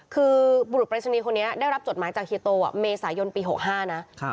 คือบุรุษปรายศนีย์คนนี้ได้รับจดหมายจากเฮียโตเมษายนปี๖๕นะ